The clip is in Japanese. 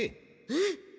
えっ？